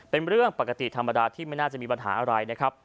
เป็นเรื่องปกติธรรมดาที่ไม่น่าจะมีปัญหาอะไรนะครับ